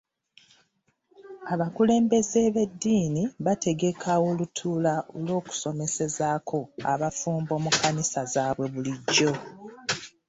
Abakulembeze b'edddiini bategeka olutuula lw'okusomesezaako abafumbo mu kkanisa zaabwe bulijjo.